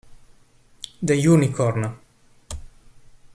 The Unicorn